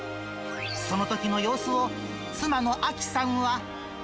そのときの様子を、妻のあきさんは。